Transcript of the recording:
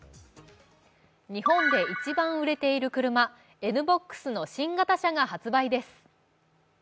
日本で一番売れている車、Ｎ−ＢＯＸの新型車が発売です。